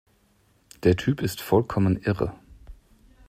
Der Typ ist vollkommen irre!